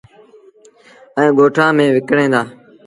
ائيٚݩ ڳوٚٺآن ميݩ وڪڻيٚن دآ۔